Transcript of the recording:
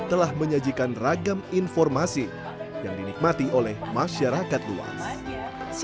telah menyajikan ragam informasi yang dinikmati oleh masyarakat luas